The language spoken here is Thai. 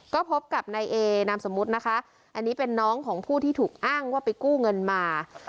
ก็พบกับนายเอนามสมมุตินะคะอันนี้เป็นน้องของผู้ที่ถูกอ้างว่าไปกู้เงินมา